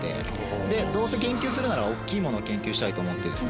でどうせ研究するなら大きいものを研究したいと思ってですね。